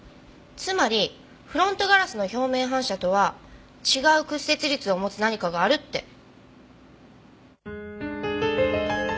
つまりフロントガラスの表面反射とは違う屈折率を持つ何かがあるって。